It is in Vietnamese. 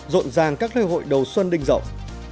rộn ràng các lễ hội đầu xuân đinh rộng